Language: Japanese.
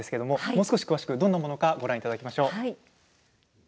もう少し詳しくどんなものかご覧いただきましょう。